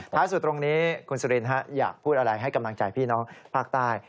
สุดตรงนี้คุณสุรินอยากพูดอะไรให้กำลังใจพี่น้องภาคใต้